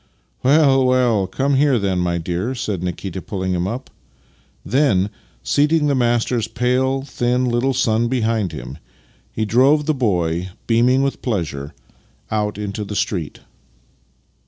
" Well, well! Come here then, my dear," said Nikita, pulling up. Then, seating his master's pale, thin little son behind him, he drove the boy, beaming with pleasure, out into the street.